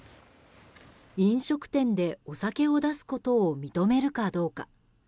飲食店でお酒を出すことを認めるかどうか。